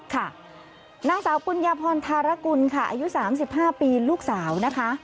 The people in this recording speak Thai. ค่ะนางสาวปุญญาพรธารกุลค่ะอายุ๓๕ปีลูกสาวนะคะ